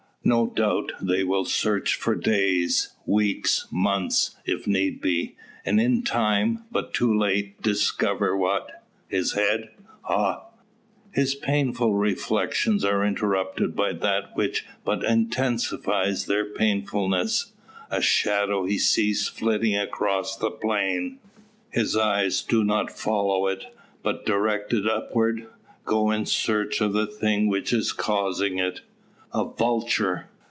No doubt they will search for days, weeks, months, if need be; and in time, but too late, discover what? His head "Ha!" His painful reflections are interrupted by that which but intensifies their painfulness: a shadow he sees flitting across the plain. His eyes do not follow it, but, directed upward, go in search of the thing which is causing it. "A vulture!"